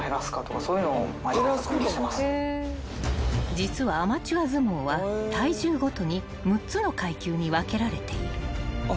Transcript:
［実はアマチュア相撲は体重ごとに６つの階級に分けられている］